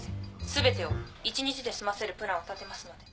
全てを１日で済ませるプランを立てますので。